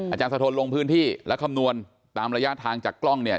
อาจารย์สะทนลงพื้นที่และคำนวณตามระยะทางจากกล้องเนี่ย